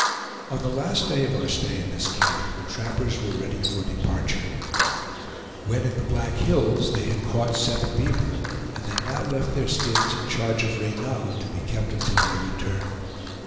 On the last day of our stay in this camp, the trappers were ready for departure. When in the Black Hills they had caught seven beaver, and they now left their skins in charge of Reynal, to be kept until their return.